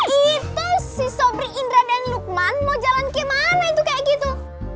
itu si sobri indra dan lukman mau jalan gimana itu kayak gitu